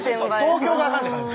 東京があかんって感じ？